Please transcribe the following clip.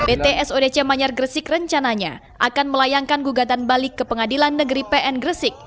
pt sodc manyar gresik rencananya akan melayangkan gugatan balik ke pengadilan negeri pn gresik